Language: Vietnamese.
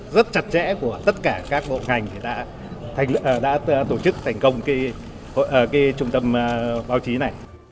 rất chặt chẽ của tất cả các bộ ngành thì đã tổ chức thành công trung tâm báo chí này